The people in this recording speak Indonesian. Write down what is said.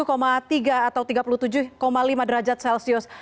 apakah artinya fasilitas kesehatan ini tidak bergerak dengan yang terdekat